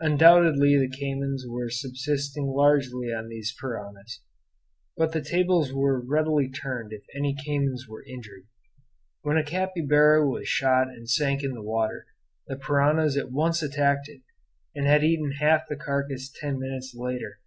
Undoubtedly the caymans were subsisting largely on these piranhas. But the tables were readily turned if any caymans were injured. When a capybara was shot and sank in the water, the piranhas at once attacked it, and had eaten half the carcass ten minutes later.